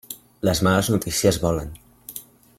Les males notícies volen.